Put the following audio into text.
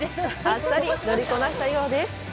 あっさり乗りこなしたようです。